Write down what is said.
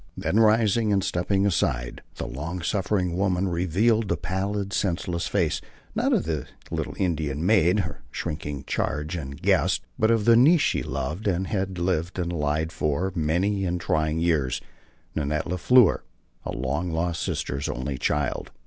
Then rising and stepping aside, the long suffering woman revealed the pallid, senseless face, not of the little Indian maid, her shrinking charge and guest, but of the niece she loved and had lived and lied for many and trying years Nanette La Fleur, a long lost sister's only child.